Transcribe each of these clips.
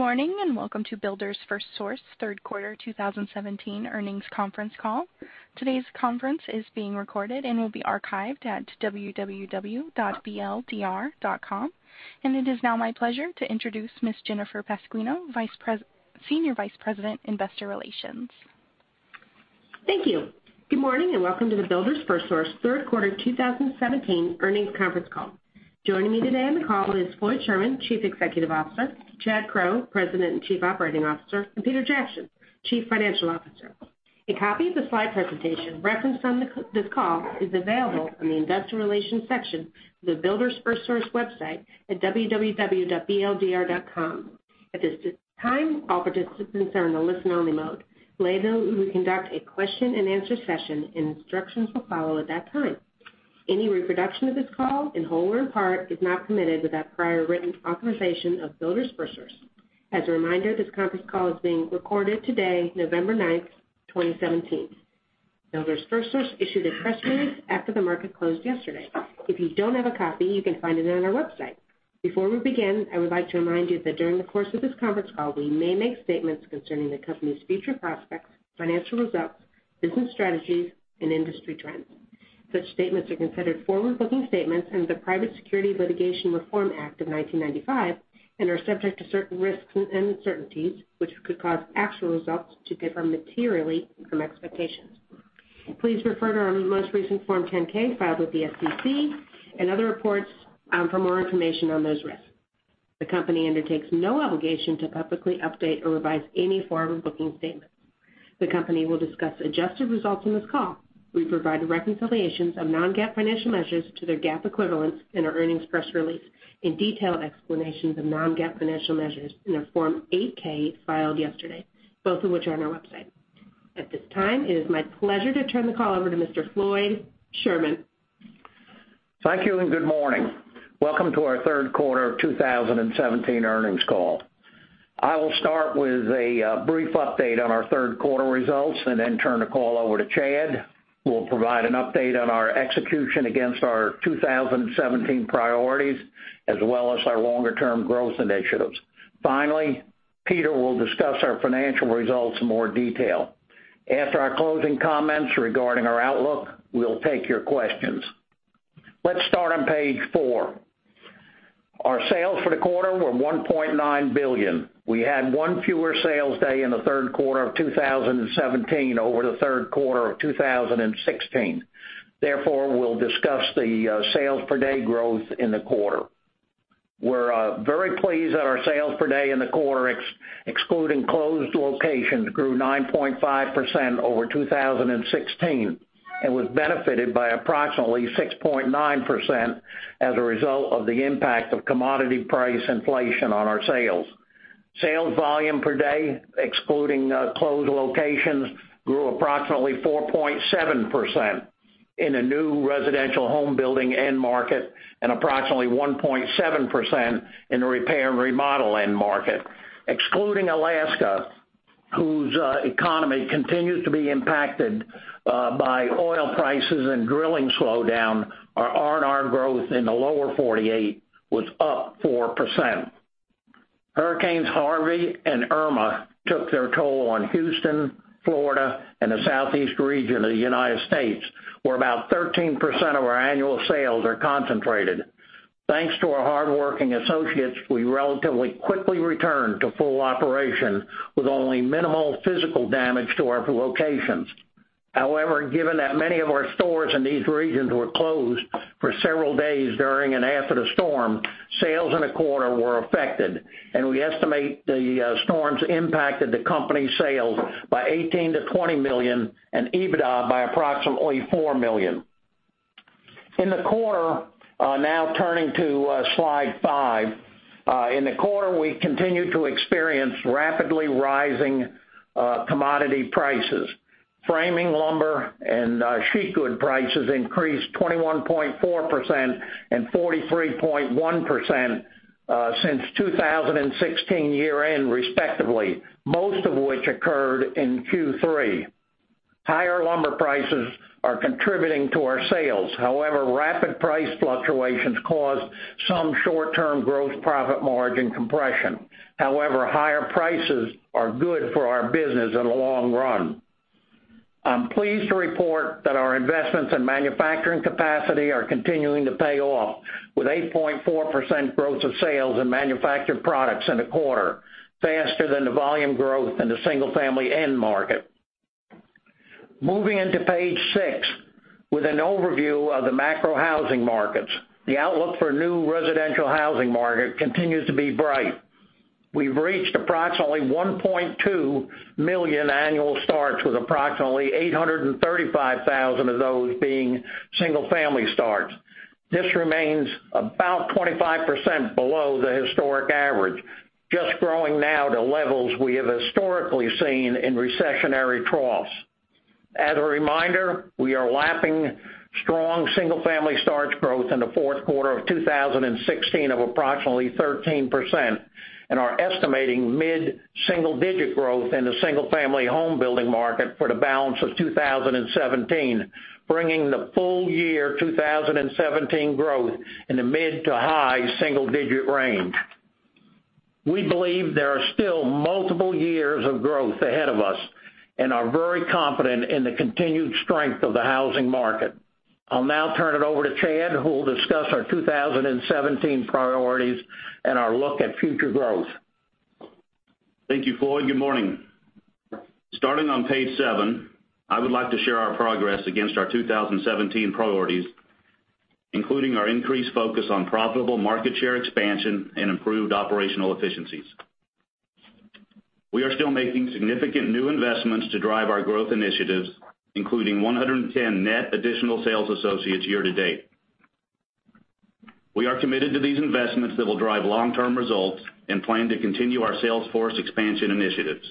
Good morning, welcome to Builders FirstSource Third Quarter 2017 Earnings Conference Call. Today's conference is being recorded and will be archived at www.bldr.com. It is now my pleasure to introduce Ms. Jennifer Pasquino, Senior Vice President, Investor Relations. Thank you. Good morning, welcome to the Builders FirstSource Third Quarter 2017 Earnings Conference Call. Joining me today on the call is Floyd Sherman, Chief Executive Officer, Chad Crow, President and Chief Operating Officer, and Peter Jackson, Chief Financial Officer. A copy of the slide presentation referenced on this call is available in the investor relations section of the Builders FirstSource website at www.bldr.com. At this time, all participants are on a listen-only mode. Later, we will conduct a question-and-answer session, instructions will follow at that time. Any reproduction of this call in whole or in part is not permitted without prior written authorization of Builders FirstSource. As a reminder, this conference call is being recorded today, November 9th, 2017. Builders FirstSource issued a press release after the market closed yesterday. If you don't have a copy, you can find it on our website. Before we begin, I would like to remind you that during the course of this conference call, we may make statements concerning the company's future prospects, financial results, business strategies, and industry trends. Such statements are considered forward-looking statements under the Private Securities Litigation Reform Act of 1995 and are subject to certain risks and uncertainties which could cause actual results to differ materially from expectations. Please refer to our most recent Form 10-K filed with the SEC and other reports for more information on those risks. The company undertakes no obligation to publicly update or revise any forward-looking statements. The company will discuss adjusted results on this call. We provide reconciliations of non-GAAP financial measures to their GAAP equivalents in our earnings press release and detailed explanations of non-GAAP financial measures in our Form 8-K filed yesterday, both of which are on our website. At this time, it is my pleasure to turn the call over to Mr. Floyd Sherman. Thank you, and good morning. Welcome to our third quarter 2017 earnings call. I will start with a brief update on our third quarter results and then turn the call over to Chad, who will provide an update on our execution against our 2017 priorities as well as our longer-term growth initiatives. Finally, Peter will discuss our financial results in more detail. After our closing comments regarding our outlook, we'll take your questions. Let's start on page four. Our sales for the quarter were $1.9 billion. We had one fewer sales day in the third quarter of 2017 over the third quarter of 2016. Therefore, we'll discuss the sales per day growth in the quarter. We're very pleased that our sales per day in the quarter, excluding closed locations, grew 9.5% over 2016 and was benefited by approximately 6.9% as a result of the impact of commodity price inflation on our sales. Sales volume per day, excluding closed locations, grew approximately 4.7% in the new residential home building end market and approximately 1.7% in the repair and remodel end market. Excluding Alaska, whose economy continues to be impacted by oil prices and drilling slowdown, our R&R growth in the lower 48 was up 4%. Hurricanes Harvey and Irma took their toll on Houston, Florida, and the Southeast region of the U.S., where about 13% of our annual sales are concentrated. Thanks to our hardworking associates, we relatively quickly returned to full operation with only minimal physical damage to our locations. Given that many of our stores in these regions were closed for several days during and after the storm, sales in the quarter were affected. We estimate the storms impacted the company's sales by $18 million-$20 million and EBITDA by approximately $4 million. Turning to slide five. In the quarter, we continued to experience rapidly rising commodity prices. Framing lumber and sheet good prices increased 21.4% and 43.1% since 2016 year-end, respectively, most of which occurred in Q3. Higher lumber prices are contributing to our sales. Rapid price fluctuations caused some short-term gross profit margin compression. Higher prices are good for our business in the long run. I'm pleased to report that our investments in manufacturing capacity are continuing to pay off with 8.4% growth of sales in manufactured products in the quarter, faster than the volume growth in the single-family end market. Moving into page six with an overview of the macro housing markets. The outlook for new residential housing market continues to be bright. We've reached approximately 1.2 million annual starts, with approximately 835,000 of those being single-family starts. This remains about 25% below the historic average, just growing now to levels we have historically seen in recessionary troughs. As a reminder, we are lapping strong single-family starts growth in the fourth quarter of 2016 of approximately 13% and are estimating mid-single-digit growth in the single-family home building market for the balance of 2017, bringing the full year 2017 growth in the mid to high single-digit range. We believe there are still multiple years of growth ahead of us and are very confident in the continued strength of the housing market. I'll now turn it over to Chad, who will discuss our 2017 priorities and our look at future growth. Thank you, Floyd. Good morning. Starting on page seven, I would like to share our progress against our 2017 priorities, including our increased focus on profitable market share expansion and improved operational efficiencies. We are still making significant new investments to drive our growth initiatives, including 110 net additional sales associates year-to-date. We are committed to these investments that will drive long-term results and plan to continue our sales force expansion initiatives.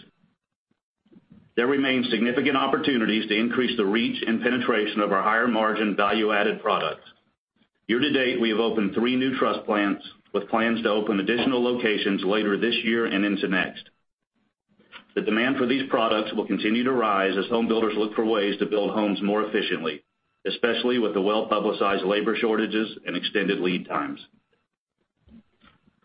There remains significant opportunities to increase the reach and penetration of our higher margin value-added products. Year-to-date, we have opened three new truss plants with plans to open additional locations later this year and into next. The demand for these products will continue to rise as home builders look for ways to build homes more efficiently, especially with the well-publicized labor shortages and extended lead times.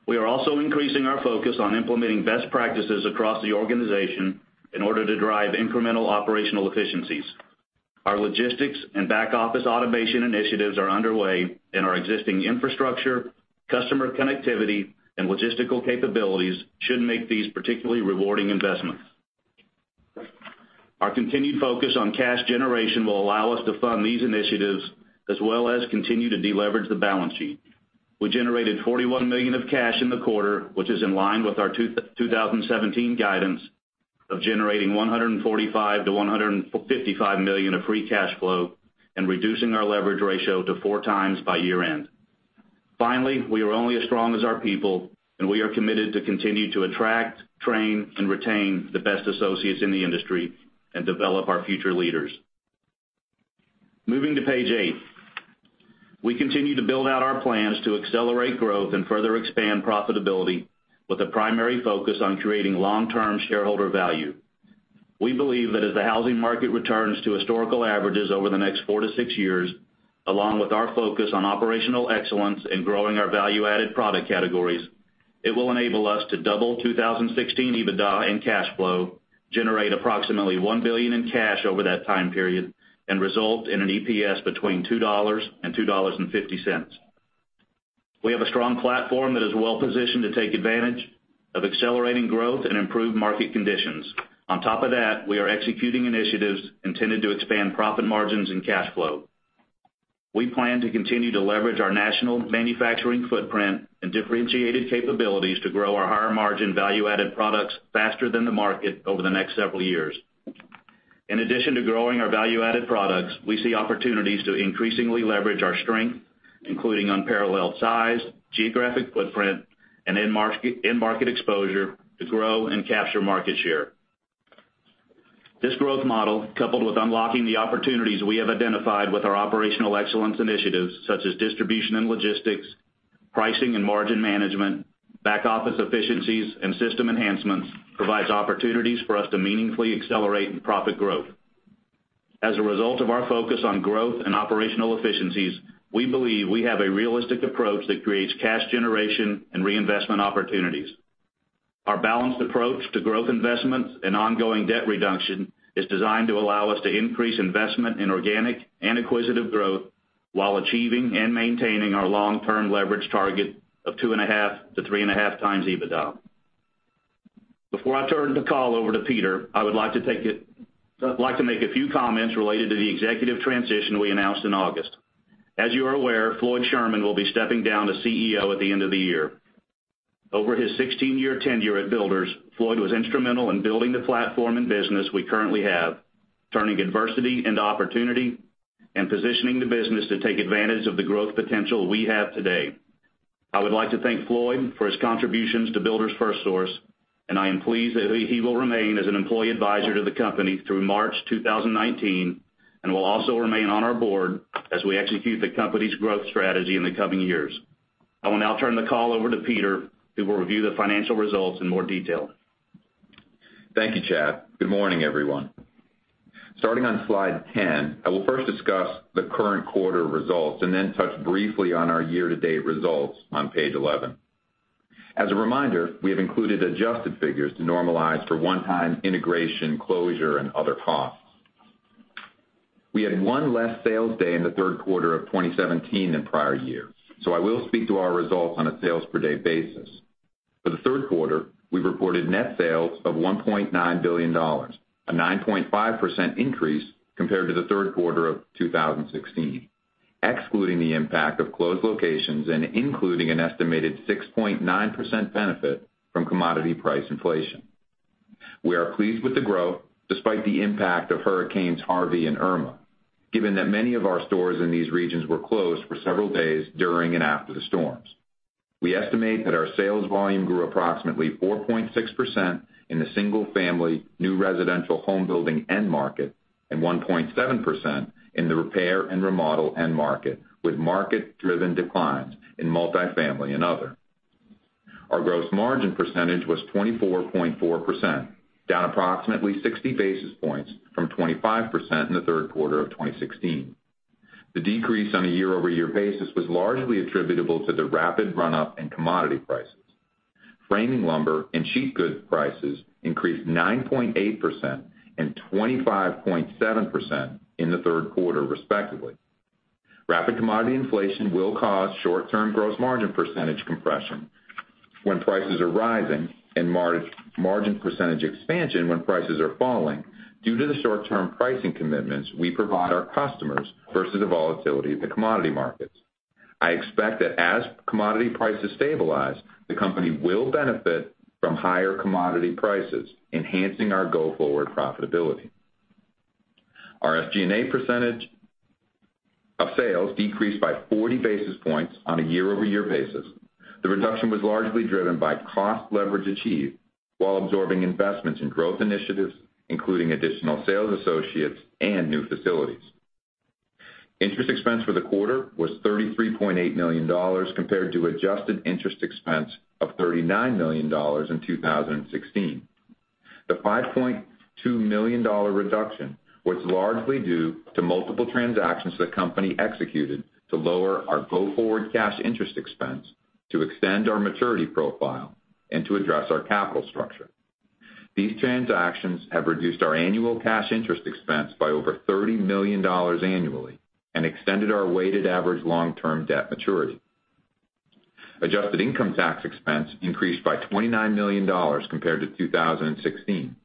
We are also increasing our focus on implementing best practices across the organization in order to drive incremental operational efficiencies. Our logistics and back-office automation initiatives are underway, our existing infrastructure, customer connectivity, and logistical capabilities should make these particularly rewarding investments. Our continued focus on cash generation will allow us to fund these initiatives, as well as continue to deleverage the balance sheet. We generated $41 million of cash in the quarter, which is in line with our 2017 guidance of generating $145 million-$155 million of free cash flow and reducing our leverage ratio to four times by year-end. Finally, we are only as strong as our people, and we are committed to continue to attract, train, and retain the best associates in the industry and develop our future leaders. Moving to page eight. We continue to build out our plans to accelerate growth and further expand profitability with a primary focus on creating long-term shareholder value. We believe that as the housing market returns to historical averages over the next four to six years, along with our focus on operational excellence and growing our value-added product categories, it will enable us to double 2016 EBITDA and cash flow, generate approximately $1 billion in cash over that time period, and result in an EPS between $2 and $2.50. We have a strong platform that is well-positioned to take advantage of accelerating growth and improved market conditions. On top of that, we are executing initiatives intended to expand profit margins and cash flow. We plan to continue to leverage our national manufacturing footprint and differentiated capabilities to grow our higher margin value-added products faster than the market over the next several years. In addition to growing our value-added products, we see opportunities to increasingly leverage our strength, including unparalleled size, geographic footprint, and end market exposure to grow and capture market share. This growth model, coupled with unlocking the opportunities we have identified with our operational excellence initiatives such as distribution and logistics, pricing and margin management, back office efficiencies, and system enhancements, provides opportunities for us to meaningfully accelerate profit growth. As a result of our focus on growth and operational efficiencies, we believe we have a realistic approach that creates cash generation and reinvestment opportunities. Our balanced approach to growth investments and ongoing debt reduction is designed to allow us to increase investment in organic and acquisitive growth while achieving and maintaining our long-term leverage target of 2.5 to 3.5 times EBITDA. Before I turn the call over to Peter, I would like to make a few comments related to the executive transition we announced in August. As you are aware, Floyd Sherman will be stepping down as CEO at the end of the year. Over his 16-year tenure at Builders, Floyd was instrumental in building the platform and business we currently have, turning adversity into opportunity, and positioning the business to take advantage of the growth potential we have today. I would like to thank Floyd for his contributions to Builders FirstSource, and I am pleased that he will remain as an employee advisor to the company through March 2019, and will also remain on our board as we execute the company's growth strategy in the coming years. I will now turn the call over to Peter, who will review the financial results in more detail. Thank you, Chad. Good morning, everyone. Starting on slide 10, I will first discuss the current quarter results and then touch briefly on our year-to-date results on page 11. As a reminder, we have included adjusted figures to normalize for one-time integration, closure, and other costs. We had one less sales day in the third quarter of 2017 than prior years, so I will speak to our results on a sales per day basis. For the third quarter, we reported net sales of $1.9 billion, a 9.5% increase compared to the third quarter of 2016, excluding the impact of closed locations and including an estimated 6.9% benefit from commodity price inflation. We are pleased with the growth despite the impact of Hurricane Harvey and Hurricane Irma, given that many of our stores in these regions were closed for several days during and after the storms. We estimate that our sales volume grew approximately 4.6% in the single-family new residential home building end market and 1.7% in the repair and remodel end market, with market-driven declines in multifamily and other. Our gross margin percentage was 24.4%, down approximately 60 basis points from 25% in the third quarter of 2016. The decrease on a year-over-year basis was largely attributable to the rapid run-up in commodity prices. Framing lumber and sheet goods prices increased 9.8% and 25.7% in the third quarter, respectively. Rapid commodity inflation will cause short-term gross margin percentage compression when prices are rising, and margin percentage expansion when prices are falling due to the short-term pricing commitments we provide our customers versus the volatility of the commodity markets. I expect that as commodity prices stabilize, the company will benefit from higher commodity prices, enhancing our go-forward profitability. Our SG&A percentage of sales decreased by 40 basis points on a year-over-year basis. The reduction was largely driven by cost leverage achieved while absorbing investments in growth initiatives, including additional sales associates and new facilities. Interest expense for the quarter was $33.8 million compared to adjusted interest expense of $39 million in 2016. The $5.2 million reduction was largely due to multiple transactions the company executed to lower our go-forward cash interest expense, to extend our maturity profile, and to address our capital structure. These transactions have reduced our annual cash interest expense by over $30 million annually and extended our weighted average long-term debt maturity. Adjusted income tax expense increased by $29 million compared to 2016,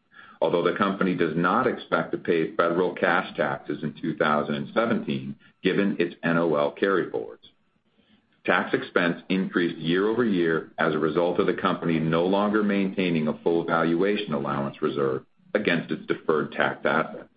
although the company does not expect to pay federal cash taxes in 2017, given its NOL carryforwards. Tax expense increased year-over-year as a result of the company no longer maintaining a full valuation allowance reserve against its deferred tax assets.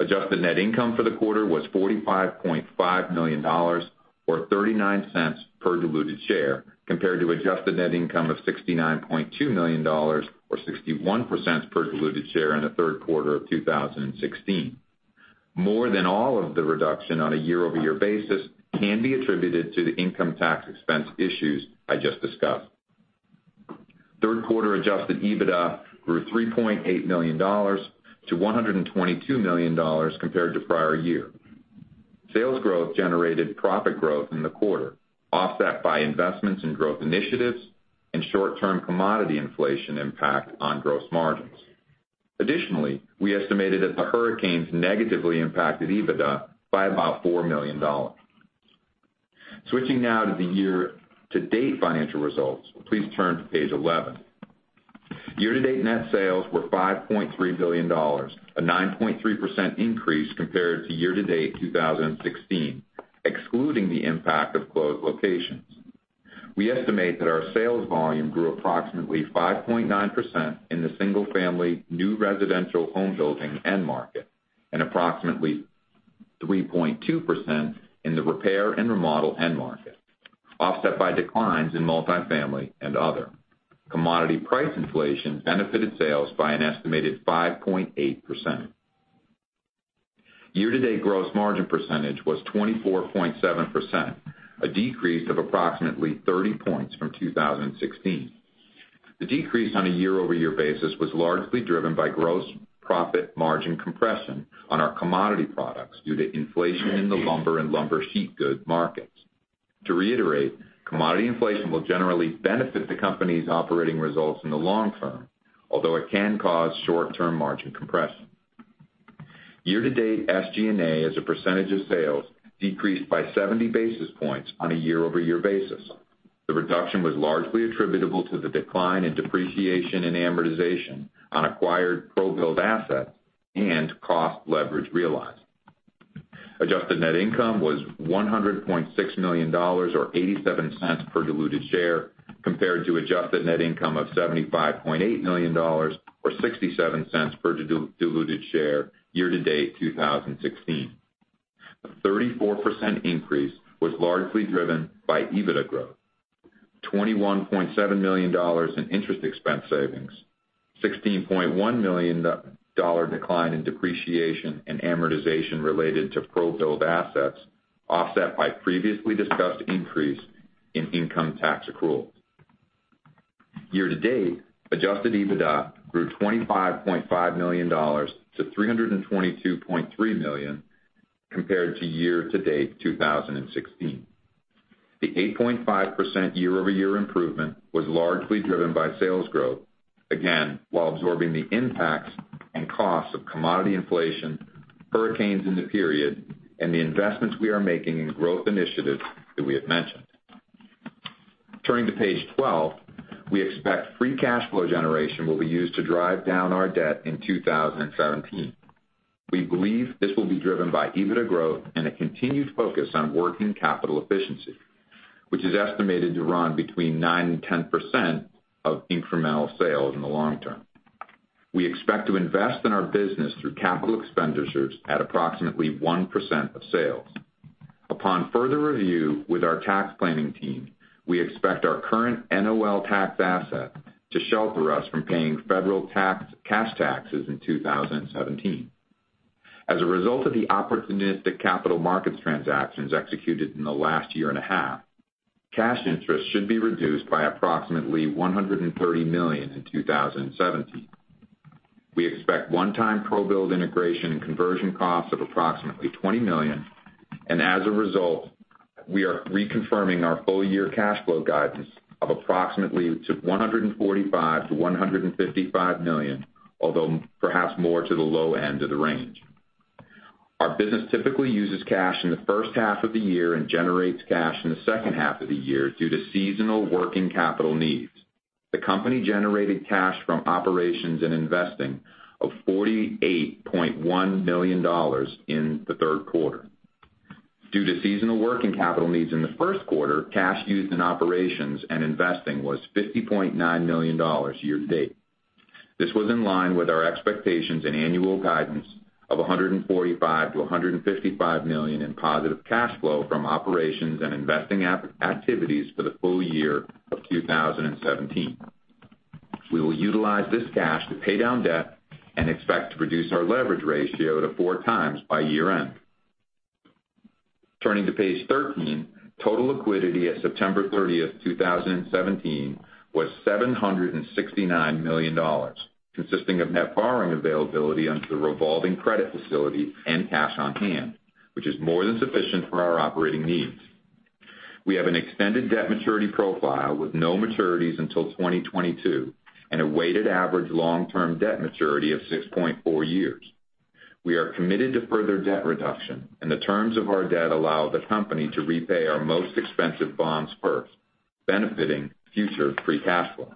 Adjusted net income for the quarter was $45.5 million, or $0.39 per diluted share, compared to adjusted net income of $69.2 million or $0.61 per diluted share in the third quarter of 2016. More than all of the reduction on a year-over-year basis can be attributed to the income tax expense issues I just discussed. Third quarter adjusted EBITDA grew $3.8 million to $122 million compared to prior year. Sales growth generated profit growth in the quarter, offset by investments in growth initiatives and short-term commodity inflation impact on gross margins. Additionally, we estimated that the hurricanes negatively impacted EBITDA by about $4 million. Switching now to the year-to-date financial results, please turn to page 11. Year-to-date net sales were $5.3 billion, a 9.3% increase compared to year-to-date 2016, excluding the impact of closed locations. We estimate that our sales volume grew approximately 5.9% in the single-family new residential homebuilding end market and approximately 3.2% in the repair and remodel end market, offset by declines in multifamily and other. Commodity price inflation benefited sales by an estimated 5.8%. Year-to-date gross margin percentage was 24.7%, a decrease of approximately 30 points from 2016. The decrease on a year-over-year basis was largely driven by gross profit margin compression on our commodity products due to inflation in the lumber and lumber sheet good markets. To reiterate, commodity inflation will generally benefit the company's operating results in the long term, although it can cause short-term margin compression. Year-to-date SG&A as a percentage of sales decreased by 70 basis points on a year-over-year basis. The reduction was largely attributable to the decline in depreciation and amortization on acquired ProBuild assets and cost leverage realized. Adjusted net income was $100.6 million, or $0.87 per diluted share, compared to adjusted net income of $75.8 million or $0.67 per diluted share year-to-date 2016. A 34% increase was largely driven by EBITDA growth, $21.7 million in interest expense savings, $16.1 million decline in depreciation and amortization related to ProBuild assets, offset by previously discussed increase in income tax accruals. Year-to-date, adjusted EBITDA grew $25.5 million to $322.3 million compared to year-to-date 2016. The 8.5% year-over-year improvement was largely driven by sales growth, again, while absorbing the impacts and costs of commodity inflation, hurricanes in the period, and the investments we are making in growth initiatives that we have mentioned. Turning to page 12, we expect free cash flow generation will be used to drive down our debt in 2017. We believe this will be driven by EBITDA growth and a continued focus on working capital efficiency, which is estimated to run between 9% and 10% of incremental sales in the long term. We expect to invest in our business through capital expenditures at approximately 1% of sales. Upon further review with our tax planning team, we expect our current NOL tax asset to shelter us from paying federal cash taxes in 2017. As a result of the opportunistic capital markets transactions executed in the last year and a half, cash interest should be reduced by approximately $130 million in 2017. We expect one-time ProBuild integration and conversion costs of approximately $20 million. As a result, we are reconfirming our full-year cash flow guidance of approximately $145 million to $155 million, although perhaps more to the low end of the range. Our business typically uses cash in the first half of the year and generates cash in the second half of the year due to seasonal working capital needs. The company generated cash from operations and investing of $48.1 million in the third quarter. Due to seasonal working capital needs in the first quarter, cash used in operations and investing was $50.9 million year to date. This was in line with our expectations and annual guidance of $145 million to $155 million in positive cash flow from operations and investing activities for the full year of 2017. We will utilize this cash to pay down debt and expect to reduce our leverage ratio to four times by year-end. Turning to page 13, total liquidity at September 30, 2017 was $769 million, consisting of net borrowing availability under the revolving credit facility and cash on hand, which is more than sufficient for our operating needs. We have an extended debt maturity profile with no maturities until 2022 and a weighted average long-term debt maturity of 6.4 years. The terms of our debt allow the company to repay our most expensive bonds first, benefiting future free cash flows.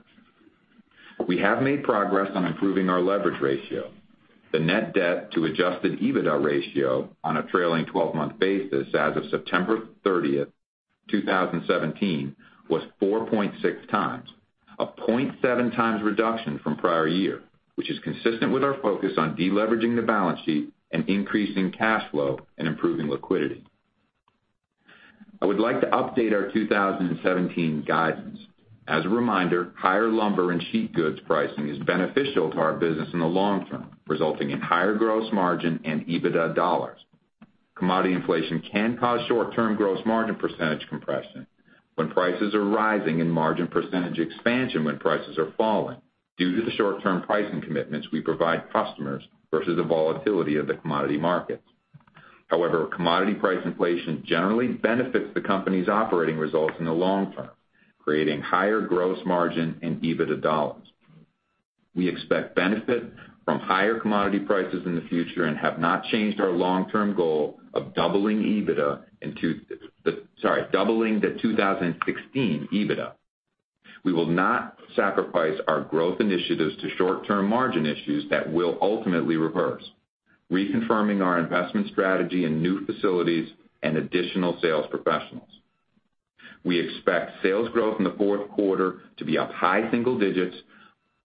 We have made progress on improving our leverage ratio. The net debt to adjusted EBITDA ratio on a trailing 12-month basis as of September 30, 2017, was 4.6x, a 0.7x reduction from prior year, which is consistent with our focus on deleveraging the balance sheet and increasing cash flow and improving liquidity. I would like to update our 2017 guidance. As a reminder, higher lumber and sheet goods pricing is beneficial to our business in the long term, resulting in higher gross margin and EBITDA dollars. Commodity inflation can cause short-term gross margin percentage compression when prices are rising and margin percentage expansion when prices are falling due to the short-term pricing commitments we provide customers versus the volatility of the commodity markets. However, commodity price inflation generally benefits the company's operating results in the long term, creating higher gross margin and EBITDA dollars. We expect benefit from higher commodity prices in the future and have not changed our long-term goal of doubling the 2016 EBITDA. We will not sacrifice our growth initiatives to short-term margin issues that will ultimately reverse, reconfirming our investment strategy in new facilities and additional sales professionals. We expect sales growth in the fourth quarter to be up high single digits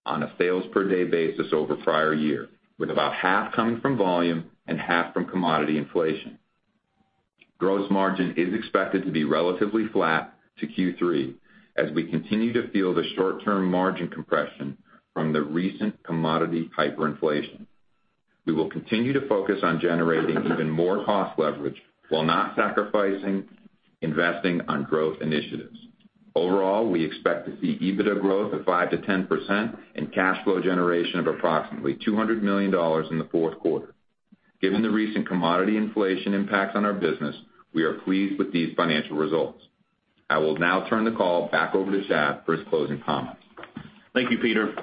on a sales per day basis over prior year, with about half coming from volume and half from commodity inflation. Gross margin is expected to be relatively flat to Q3 as we continue to feel the short-term margin compression from the recent commodity hyperinflation. We will continue to focus on generating even more cost leverage while not sacrificing investing on growth initiatives. Overall, we expect to see EBITDA growth of 5%-10% and cash flow generation of approximately $200 million in the fourth quarter. Given the recent commodity inflation impacts on our business, we are pleased with these financial results. I will now turn the call back over to Chad for his closing comments. Thank you, Peter.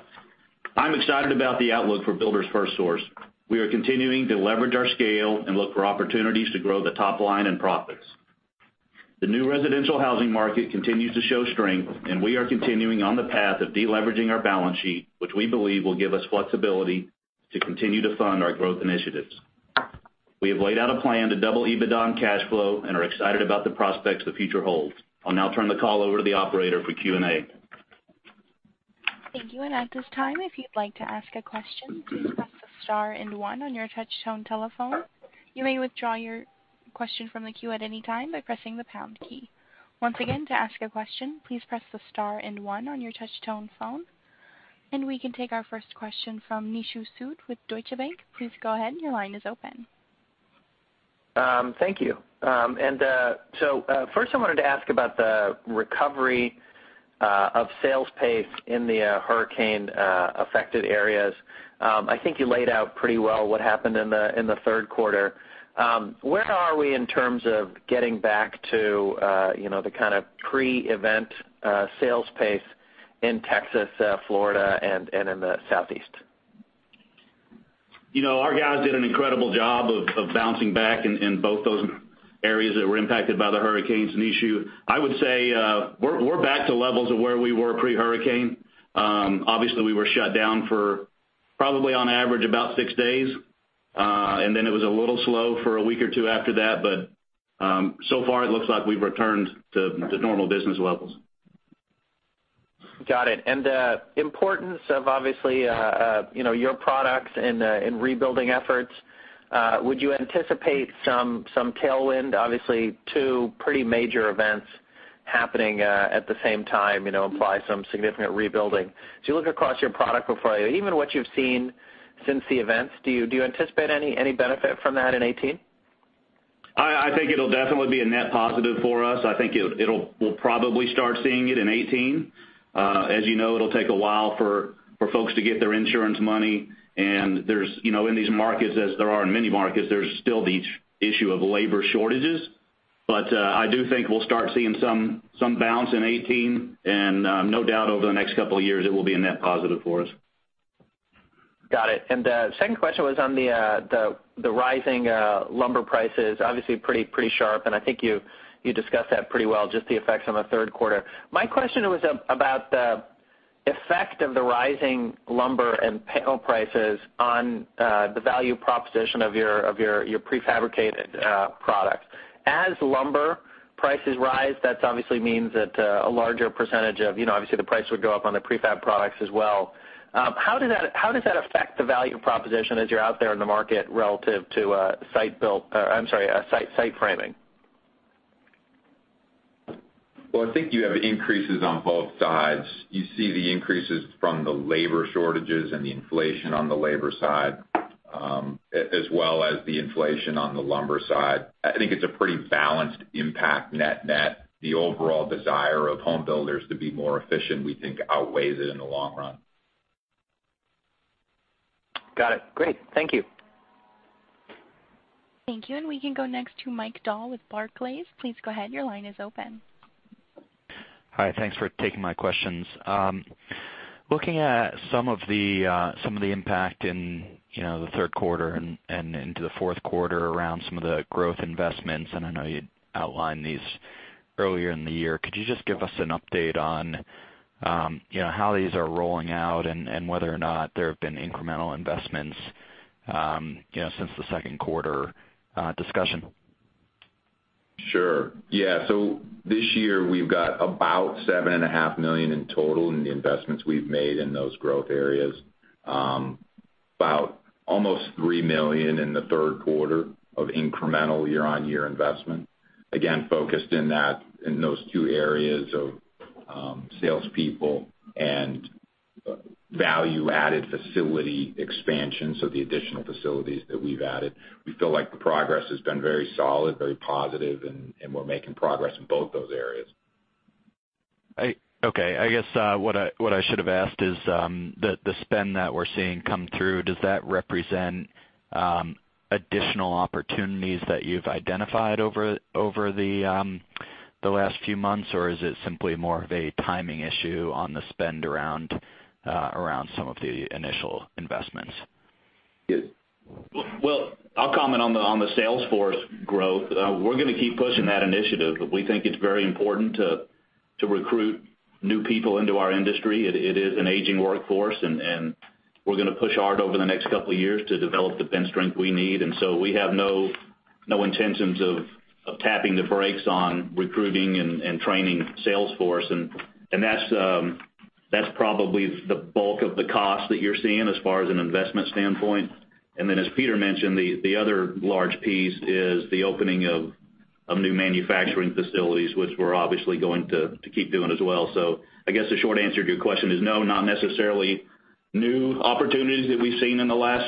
I'm excited about the outlook for Builders FirstSource. We are continuing to leverage our scale and look for opportunities to grow the top line and profits. The new residential housing market continues to show strength, and we are continuing on the path of de-leveraging our balance sheet, which we believe will give us flexibility to continue to fund our growth initiatives. We have laid out a plan to double EBITDA and cash flow and are excited about the prospects the future holds. I'll now turn the call over to the operator for Q&A. Thank you. At this time, if you'd like to ask a question, please press star and one on your touch-tone telephone. You may withdraw your question from the queue at any time by pressing the pound key. Once again, to ask a question, please press the star and one on your touch-tone phone. We can take our first question from Nishu Sood with Deutsche Bank. Please go ahead. Your line is open. Thank you. First, I wanted to ask about the recovery of sales pace in the hurricane-affected areas. I think you laid out pretty well what happened in the third quarter. Where are we in terms of getting back to the kind of pre-event sales pace in Texas, Florida, and in the Southeast? Our guys did an incredible job of bouncing back in both those areas that were impacted by the hurricanes, Nishu. I would say we're back to levels of where we were pre-hurricane. Obviously, we were shut down for probably on average about six days, then it was a little slow for a week or two after that, so far it looks like we've returned to normal business levels. Got it. The importance of obviously your products in rebuilding efforts, would you anticipate some tailwind? Obviously, two pretty major events happening at the same time imply some significant rebuilding. As you look across your product portfolio, even what you've seen since the events, do you anticipate any benefit from that in 2018? I think it'll definitely be a net positive for us. I think we'll probably start seeing it in 2018. As you know, it'll take a while for folks to get their insurance money, in these markets, as there are in many markets, there's still the issue of labor shortages. I do think we'll start seeing some bounce in 2018, and no doubt over the next couple of years, it will be a net positive for us. Got it. The second question was on the rising lumber prices, obviously pretty sharp, and I think you discussed that pretty well, just the effects on the third quarter. My question was about the effect of the rising lumber and panel prices on the value proposition of your prefabricated products. As lumber prices rise, that obviously means that obviously the price would go up on the prefab products as well. How does that affect the value proposition as you're out there in the market relative to site framing? Well, I think you have increases on both sides. You see the increases from the labor shortages and the inflation on the labor side, as well as the inflation on the lumber side. I think it's a pretty balanced impact net-net. The overall desire of home builders to be more efficient, we think outweighs it in the long run. Got it. Great. Thank you. Thank you. We can go next to Michael Dahl with Barclays. Please go ahead. Your line is open. Hi. Thanks for taking my questions. Looking at some of the impact in the third quarter and into the fourth quarter around some of the growth investments, and I know you outlined these earlier in the year, could you just give us an update on how these are rolling out and whether or not there have been incremental investments since the second quarter discussion? Sure. Yeah. This year we've got about $7.5 million in total in the investments we've made in those growth areas. About almost $3 million in the third quarter of incremental year-on-year investment. Again, focused in those two areas of salespeople and value-added facility expansions, so the additional facilities that we've added. We feel like the progress has been very solid, very positive, and we're making progress in both those areas. Okay. I guess what I should have asked is, the spend that we're seeing come through, does that represent additional opportunities that you've identified over the last few months, or is it simply more of a timing issue on the spend around some of the initial investments? Well, I'll comment on the sales force growth. We're going to keep pushing that initiative, but we think it's very important to recruit new people into our industry. It is an aging workforce, and we're going to push hard over the next couple of years to develop the bench strength we need. We have no intentions of tapping the brakes on recruiting and training sales force. That's probably the bulk of the cost that you're seeing as far as an investment standpoint. As Peter mentioned, the other large piece is the opening of new manufacturing facilities, which we're obviously going to keep doing as well. I guess the short answer to your question is no, not necessarily new opportunities that we've seen in the last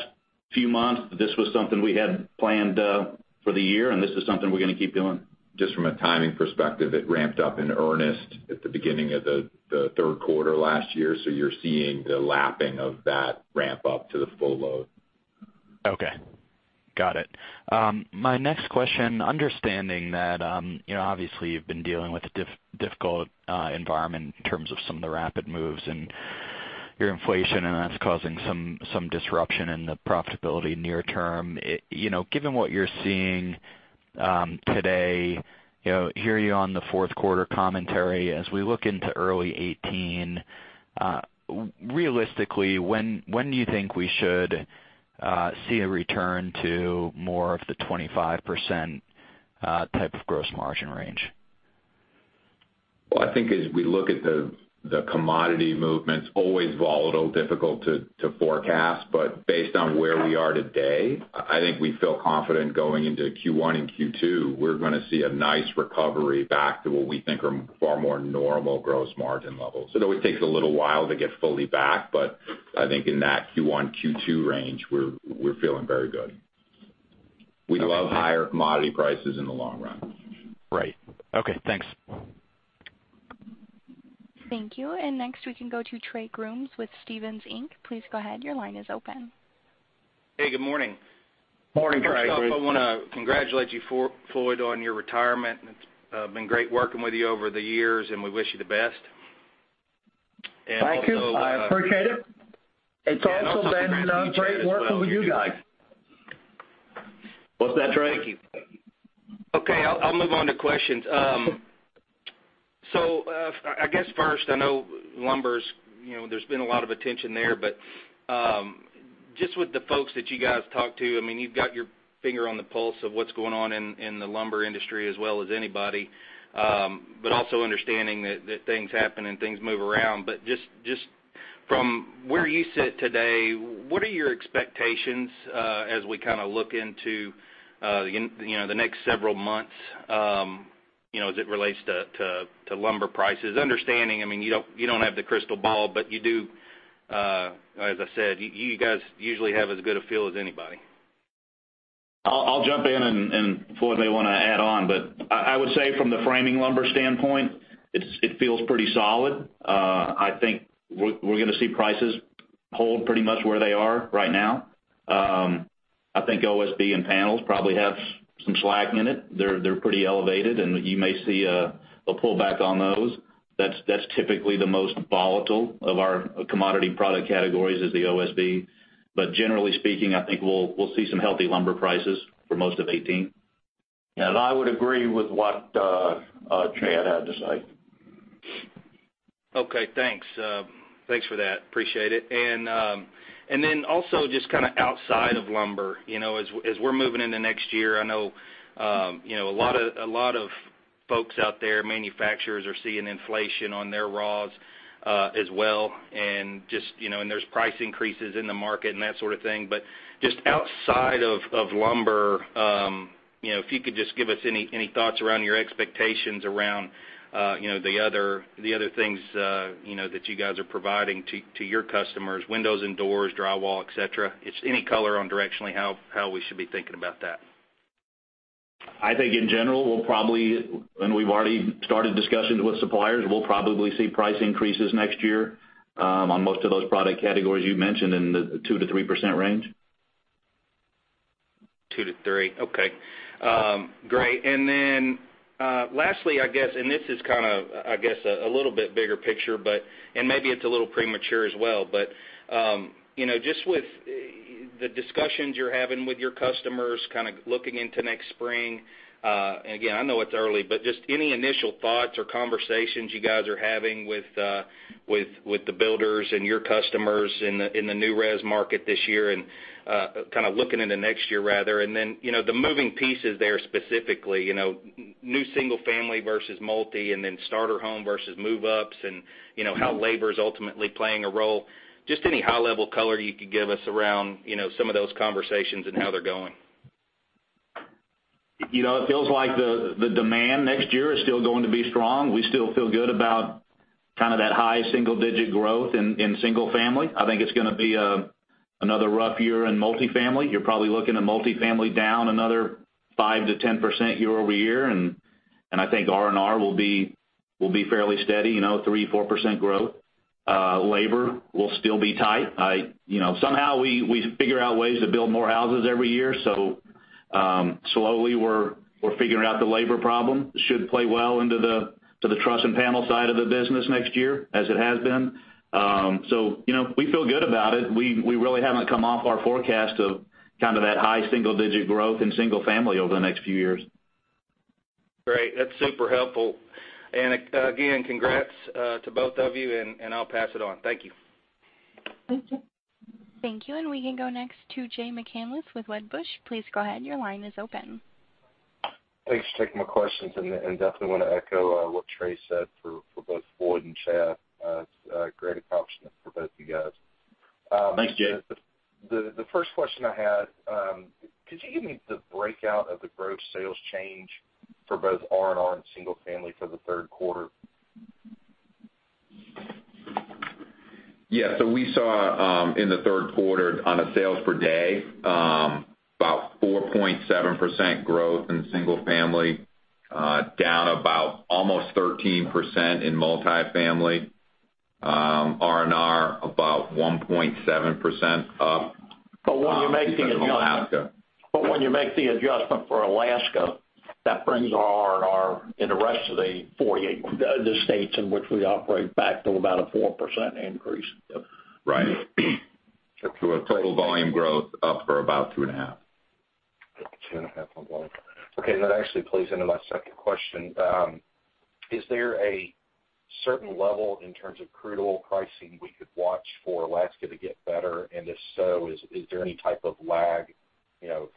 few months. This was something we had planned for the year, and this is something we're going to keep doing. Just from a timing perspective, it ramped up in earnest at the beginning of the third quarter last year. You're seeing the lapping of that ramp up to the full load. Okay. Got it. My next question, understanding that obviously you've been dealing with a difficult environment in terms of some of the rapid moves and your inflation, that's causing some disruption in the profitability near term. Given what you're seeing today, hearing you on the fourth quarter commentary, as we look into early 2018, realistically, when do you think we should see a return to more of the 25% type of gross margin range? Well, I think as we look at the commodity movements, always volatile, difficult to forecast. Based on where we are today, I think we feel confident going into Q1 and Q2, we're going to see a nice recovery back to what we think are far more normal gross margin levels. It always takes a little while to get fully back, I think in that Q1, Q2 range, we're feeling very good. We love higher commodity prices in the long run. Right. Okay, thanks. Thank you. Next we can go to Trey Grooms with Stephens Inc. Please go ahead. Your line is open. Hey, good morning. Morning, Trey. Morning. First off, I want to congratulate you, Floyd, on your retirement. It's been great working with you over the years, and we wish you the best. Thank you. I appreciate it. It's also been great working with you guys. What's that, Trey? Okay, I'll move on to questions. I guess first, I know lumbers, there's been a lot of attention there. Just with the folks that you guys talk to, you've got your finger on the pulse of what's going on in the lumber industry as well as anybody. Also understanding that things happen and things move around. Just from where you sit today, what are your expectations as we look into the next several months? As it relates to lumber prices. Understanding, you don't have the crystal ball, but you do, as I said, you guys usually have as good a feel as anybody. I'll jump in and Floyd may want to add on. I would say from the framing lumber standpoint, it feels pretty solid. I think we're going to see prices hold pretty much where they are right now. I think OSB and panels probably have some slack in it. They're pretty elevated, and you may see a pullback on those. That's typically the most volatile of our commodity product categories is the OSB. Generally speaking, I think we'll see some healthy lumber prices for most of 2018. I would agree with what Chad had to say. Okay, thanks. Thanks for that. Appreciate it. Also just kind of outside of lumber, as we're moving into next year, I know a lot of folks out there, manufacturers are seeing inflation on their raws as well, there's price increases in the market and that sort of thing. Just outside of lumber, if you could just give us any thoughts around your expectations around the other things that you guys are providing to your customers, windows and doors, drywall, et cetera. Just any color on directionally how we should be thinking about that. I think in general, we've already started discussions with suppliers, we'll probably see price increases next year on most of those product categories you mentioned in the 2%-3% range. 2%-3%. Okay. Great. Lastly, this is kind of, I guess, a little bit bigger picture, maybe it's a little premature as well, just with the discussions you're having with your customers kind of looking into next spring. Again, I know it's early, just any initial thoughts or conversations you guys are having with the builders and your customers in the new res market this year looking into next year rather, the moving pieces there specifically, new single-family versus multi and then starter home versus move-ups and how labor is ultimately playing a role. Just any high level color you could give us around some of those conversations and how they're going. It feels like the demand next year is still going to be strong. We still feel good about kind of that high single-digit growth in single family. I think it's going to be another rough year in multifamily. You're probably looking at multifamily down another 5%-10% year-over-year, I think R&R will be fairly steady, 3%, 4% growth. Labor will still be tight. Somehow we figure out ways to build more houses every year, slowly we're figuring out the labor problem. Should play well into the truss and panel side of the business next year as it has been. We feel good about it. We really haven't come off our forecast of kind of that high single-digit growth in single family over the next few years. Great. That's super helpful. Again, congrats to both of you and I'll pass it on. Thank you. Thank you. Thank you. We can go next to Jay McCanless with Wedbush. Please go ahead. Your line is open. Thanks for taking my questions, definitely want to echo what Trey said for both Floyd and Chad. It's a great accomplishment for both of you guys. Thanks, Jay. The first question I had, could you give me the breakout of the gross sales change for both R&R and single family for the third quarter? Yeah. We saw in the third quarter on a sales per day, about 4.7% growth in single family, down about almost 13% in multi-family. R&R, about 1.7% up When you make the adjustment for Alaska, that brings R&R in the rest of the 48 states in which we operate back to about a 4% increase. Right. A total volume growth up for about two and a half. Two and a half. Okay. That actually plays into my second question. Is there a certain level in terms of crude oil pricing we could watch for Alaska to get better? If so, is there any type of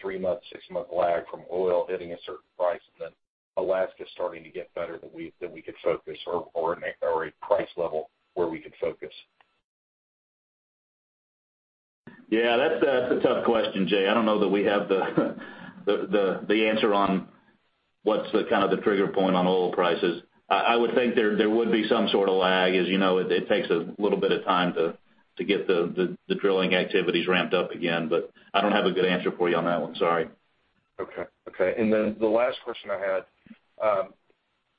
3-month, 6-month lag from oil hitting a certain price, and then Alaska starting to get better that we could focus or a price level where we could focus? Yeah, that's a tough question, Jay. I don't know that we have the answer on what's the kind of the trigger point on oil prices. I would think there would be some sort of lag. As you know, it takes a little bit of time to get the drilling activities ramped up again, but I don't have a good answer for you on that one, sorry. Okay. The last question I had,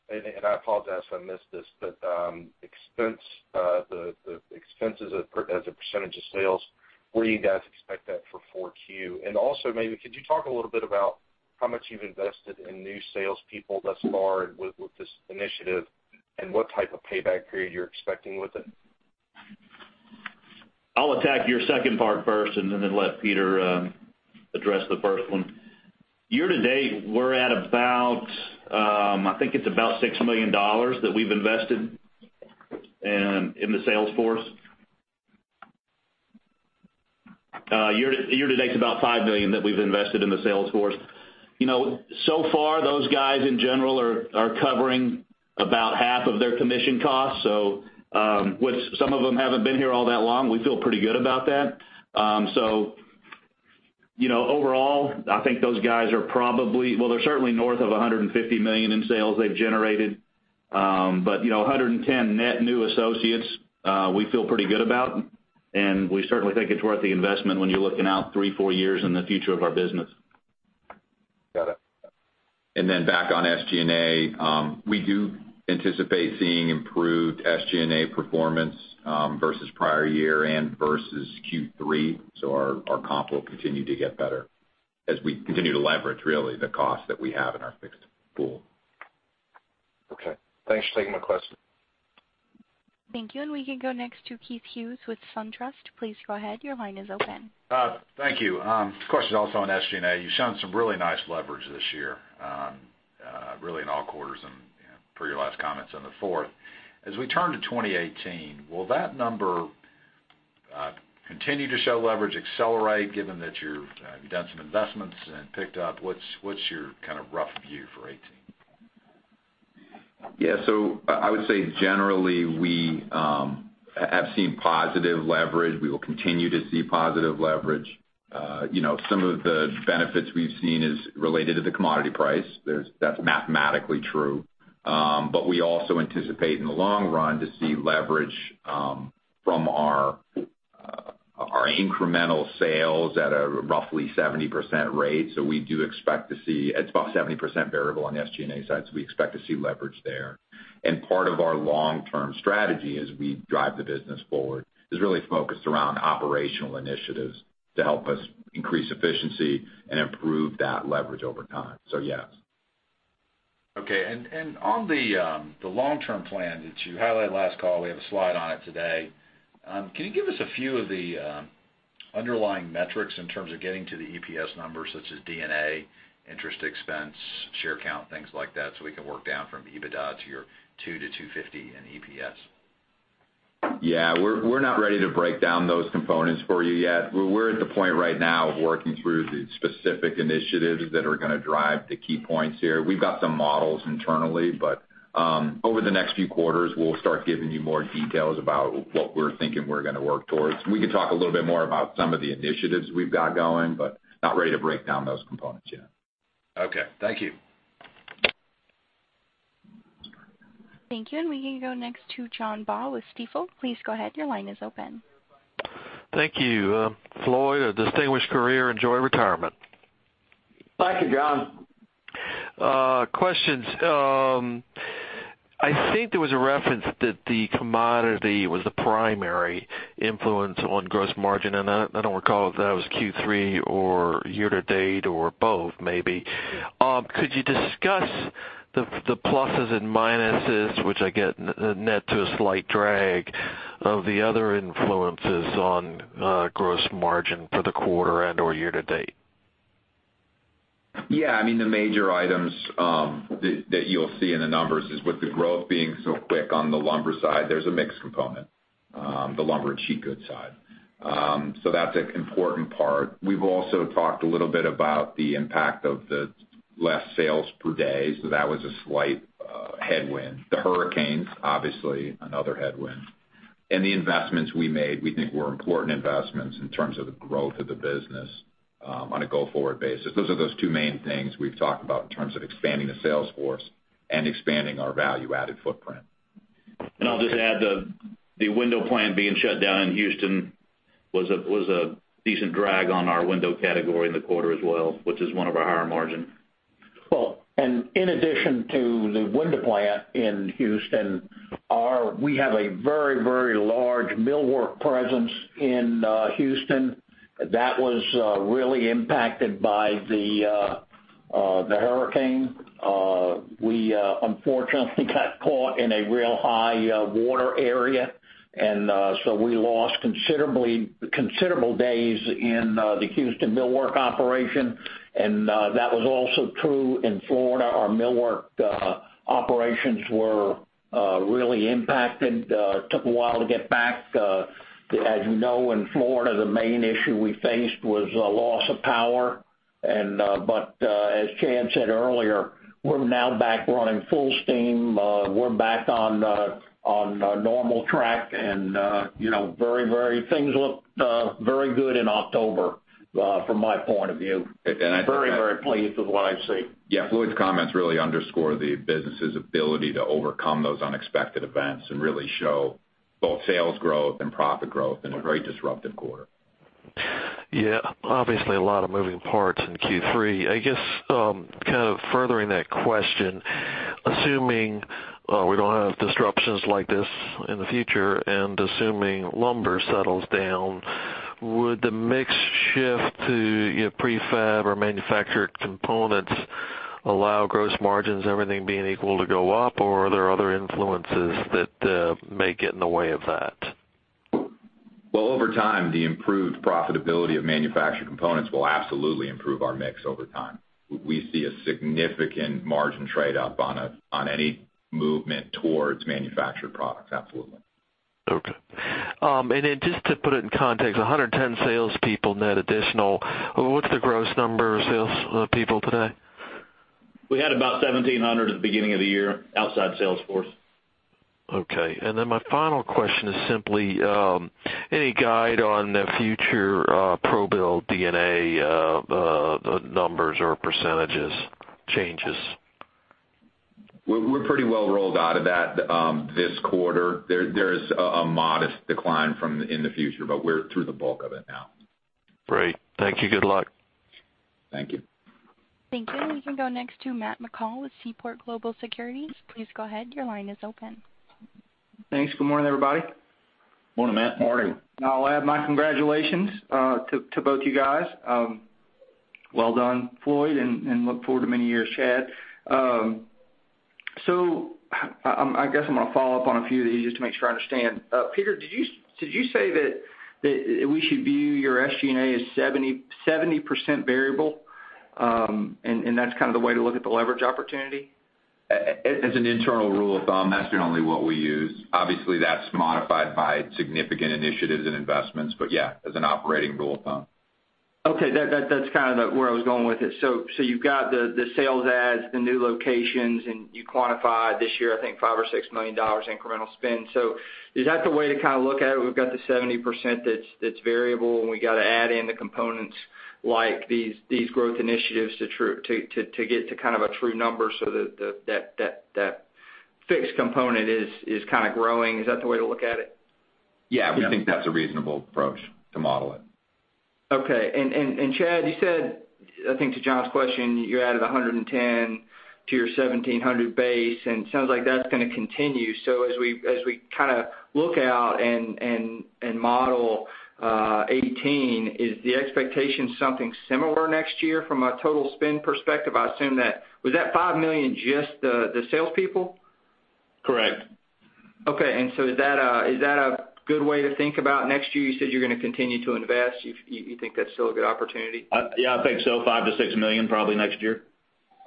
and I apologize if I missed this, but the expenses as a percentage of sales, where do you guys expect that for 4Q? Also maybe could you talk a little bit about how much you've invested in new salespeople thus far with this initiative and what type of payback period you're expecting with it? I'll attack your second part first and then let Peter address the first one. Year to date, we're at about, I think it's about $6 million that we've invested in the sales force. Year to date is about $5 million that we've invested in the sales force. Far those guys in general are covering about half of their commission cost. Some of them haven't been here all that long. We feel pretty good about that. Overall, I think those guys are certainly north of $150 million in sales they've generated. 110 net new associates, we feel pretty good about, and we certainly think it's worth the investment when you're looking out three, four years in the future of our business. Got it. Back on SG&A, we do anticipate seeing improved SG&A performance versus prior year and versus Q3. Our comp will continue to get better as we continue to leverage, really, the cost that we have in our fixed pool. Okay. Thanks for taking my question. Thank you. We can go next to Keith Hughes with SunTrust. Please go ahead. Your line is open. Thank you. Question also on SG&A. You've shown some really nice leverage this year, really in all quarters, and per your last comments on the fourth. As we turn to 2018, will that number continue to show leverage accelerate given that you've done some investments and picked up? What's your kind of rough view for 2018? Yeah. I would say generally, we have seen positive leverage. We will continue to see positive leverage. Some of the benefits we've seen is related to the commodity price. That's mathematically true. We also anticipate in the long run to see leverage from our incremental sales at a roughly 70% rate. We do expect to see it's about 70% variable on the SG&A side, so we expect to see leverage there. Part of our long-term strategy as we drive the business forward is really focused around operational initiatives to help us increase efficiency and improve that leverage over time. Yes. Okay. On the long-term plan that you highlighted last call, we have a slide on it today. Can you give us a few of the underlying metrics in terms of getting to the EPS numbers such as D&A, interest expense, share count, things like that, so we can work down from EBITDA to your $2-$2.50 in EPS? Yeah. We're not ready to break down those components for you yet. We're at the point right now of working through the specific initiatives that are going to drive the key points here. We've got some models internally, over the next few quarters, we'll start giving you more details about what we're thinking we're going to work towards. We can talk a little bit more about some of the initiatives we've got going, not ready to break down those components yet. Okay. Thank you. Thank you. We can go next to John Baugh with Stifel. Please go ahead. Your line is open. Thank you. Floyd, a distinguished career. Enjoy retirement. Thank you, John. Questions. I think there was a reference that the commodity was the primary influence on gross margin, and I don't recall if that was Q3 or year to date or both maybe. Could you discuss the pluses and minuses, which I get net to a slight drag, of the other influences on gross margin for the quarter and/or year to date? Yeah. The major items that you'll see in the numbers is with the growth being so quick on the lumber side, there's a mix component, the lumber and sheet goods side. That's an important part. We've also talked a little bit about the impact of the less sales per day, that was a slight headwind. The Hurricanes, obviously, another headwind. The investments we made, we think were important investments in terms of the growth of the business on a go-forward basis. Those are two main things we've talked about in terms of expanding the sales force and expanding our value-added footprint. I'll just add the window plant being shut down in Houston was a decent drag on our window category in the quarter as well, which is one of our higher margin. In addition to the window plant in Houston, we have a very large millwork presence in Houston that was really impacted by the Hurricane. We unfortunately got caught in a real high water area, we lost considerable days in the Houston millwork operation. That was also true in Florida. Our millwork operations were really impacted, took a while to get back. As you know, in Florida, the main issue we faced was a loss of power. As Chad said earlier, we're now back running full steam. We're back on a normal track, things look very good in October from my point of view. Very pleased with what I see. Yeah. Floyd's comments really underscore the business's ability to overcome those unexpected events and really show both sales growth and profit growth in a very disruptive quarter. Yeah. Obviously, a lot of moving parts in Q3. I guess, kind of furthering that question, assuming we don't have disruptions like this in the future and assuming lumber settles down, would the mix shift to prefab or manufactured components allow gross margins, everything being equal, to go up, or are there other influences that may get in the way of that? Well, over time, the improved profitability of manufactured components will absolutely improve our mix over time. We see a significant margin trade up on any movement towards manufactured products, absolutely. Okay. Just to put it in context, 110 salespeople net additional. What's the gross number of salespeople today? We had about 1,700 at the beginning of the year outside sales force. Okay. Then my final question is simply, any guide on the future ProBuild D&A numbers or percentages changes? We're pretty well rolled out of that this quarter. There is a modest decline in the future, but we're through the bulk of it now. Great. Thank you. Good luck. Thank you. Thank you. We can go next to Matt McCall with Seaport Global Securities. Please go ahead. Your line is open. Thanks. Good morning, everybody. Morning, Matt. Morning. I'll add my congratulations to both of you guys. Well done, Floyd, and look forward to many years, Chad. I guess I'm going to follow up on a few of these just to make sure I understand. Peter, did you say that we should view your SG&A as 70% variable, and that's kind of the way to look at the leverage opportunity? As an internal rule of thumb, that's generally what we use. Obviously, that's modified by significant initiatives and investments, but yeah, as an operating rule of thumb. Okay. That's where I was going with it. You've got the sales adds, the new locations, and you quantified this year, I think $5 million or $6 million incremental spend. Is that the way to look at it? We've got the 70% that's variable, and we got to add in the components like these growth initiatives to get to a true number so that fixed component is growing. Is that the way to look at it? Yeah, we think that's a reasonable approach to model it. Okay. Chad, you said, I think to John's question, you added 110 to your 1,700 base, and it sounds like that's going to continue. As we look out and model 2018, is the expectation something similar next year from a total spend perspective? Was that $5 million just the salespeople? Correct. Okay. Is that a good way to think about next year? You said you're going to continue to invest. You think that's still a good opportunity? Yeah, I think so. $5 million-$6 million probably next year.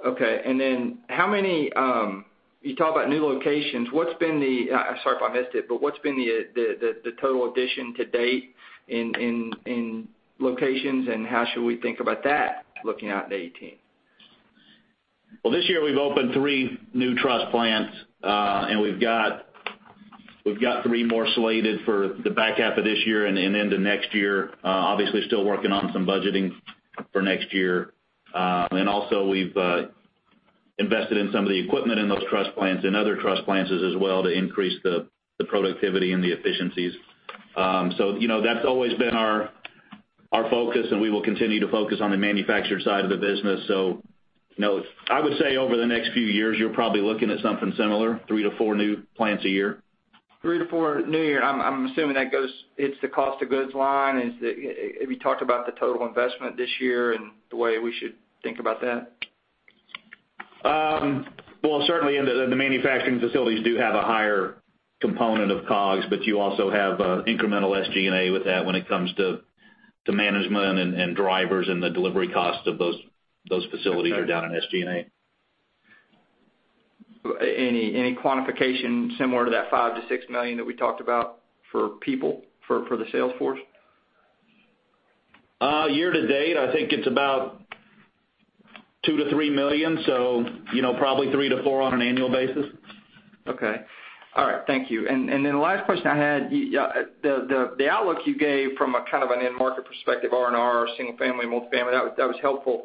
Okay. You talk about new locations. Sorry if I missed it, but what's been the total addition to date in locations, and how should we think about that looking out to 2018? This year we've opened three new truss plants, and we've got three more slated for the back half of this year and into next year. Obviously, still working on some budgeting for next year. Also we've invested in some of the equipment in those truss plants and other truss plants as well to increase the productivity and the efficiencies. That's always been our focus, and we will continue to focus on the manufactured side of the business. I would say over the next few years, you're probably looking at something similar, three to four new plants a year. Three to four new a year. I'm assuming it's the cost of goods line. Have you talked about the total investment this year and the way we should think about that? Well, certainly, the manufacturing facilities do have a higher component of COGS, but you also have incremental SG&A with that when it comes to management and drivers and the delivery costs of those facilities are down in SG&A. Any quantification similar to that $5 million to $6 million that we talked about for people, for the sales force? Year to date, I think it's about $2 million to $3 million, so probably three to four on an annual basis. The last question I had, the outlook you gave from a kind of an end market perspective, R&R, single family, multi-family, that was helpful.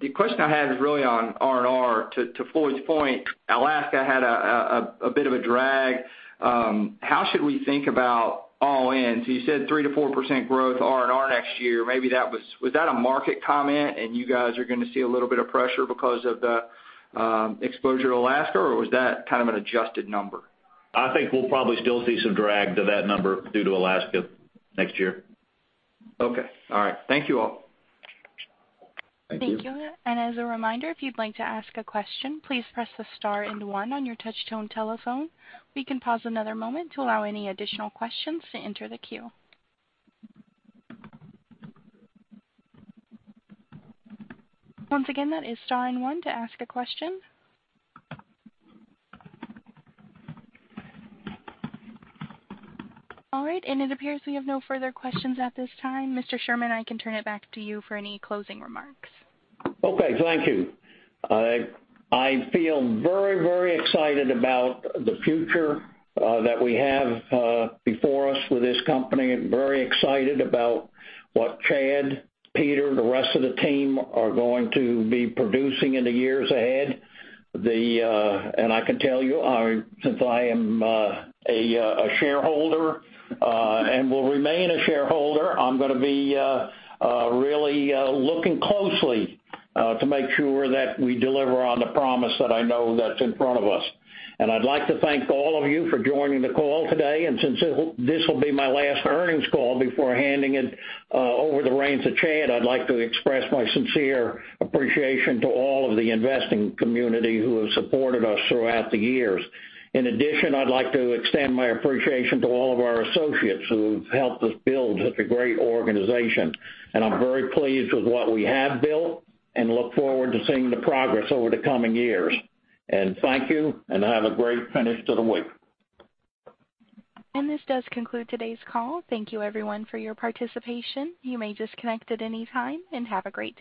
The question I had is really on R&R. To Floyd's point, Alaska had a bit of a drag. How should we think about all in? You said 3%-4% growth R&R next year. Was that a market comment and you guys are going to see a little bit of pressure because of the exposure to Alaska, or was that kind of an adjusted number? I think we'll probably still see some drag to that number due to Alaska next year. Okay. All right. Thank you all. Thank you. Thank you. As a reminder, if you'd like to ask a question, please press the star and one on your touch tone telephone. We can pause another moment to allow any additional questions to enter the queue. Once again, that is star and one to ask a question. It appears we have no further questions at this time. Mr. Sherman, I can turn it back to you for any closing remarks. Thank you. I feel very excited about the future that we have before us with this company, and very excited about what Chad, Peter, the rest of the team are going to be producing in the years ahead. I can tell you, since I am a shareholder, and will remain a shareholder, I'm going to be really looking closely to make sure that we deliver on the promise that I know that's in front of us. I'd like to thank all of you for joining the call today. Since this will be my last earnings call before handing over the reins to Chad, I'd like to express my sincere appreciation to all of the investing community who have supported us throughout the years. In addition, I'd like to extend my appreciation to all of our associates who've helped us build such a great organization. I'm very pleased with what we have built and look forward to seeing the progress over the coming years. Thank you, and have a great finish to the week. This does conclude today's call. Thank you everyone for your participation. You may disconnect at any time, and have a great day.